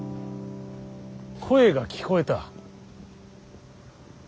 声が聞こえた。